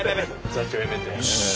座長辞めて。